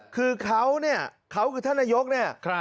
คือเขาคือท่านนายก